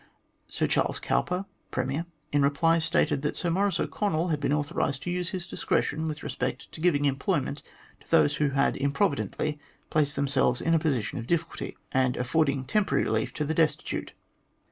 Sir Charles Cowper (Premier), in reply, stated that Sir Maurice O'Connell had been authorised to use his discretion with respect to giving employment to those who had improvidently placed themselves in a position of difficulty, and affording temporary relief to the destitute.